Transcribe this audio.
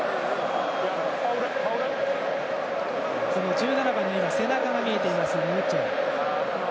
１７番の背中が見えていましたヌチェ。